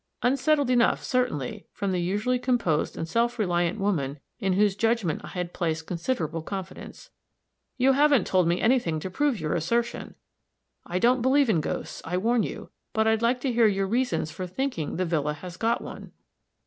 Unsettled enough, certainly, from the usually composed and self reliant woman in whose judgment I had placed considerable confidence. "You haven't told me any thing to prove your assertion. I don't believe in ghosts, I warn you; but I'd like to hear your reasons for thinking the villa has got one."